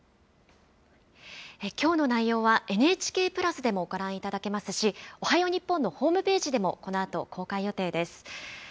きょうの内容は、ＮＨＫプラスでもご覧いただけますし、おはよう日本のホームページでも、このあと公開予定です。